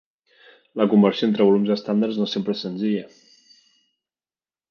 La conversió entre els volums estàndard no sempre és senzilla.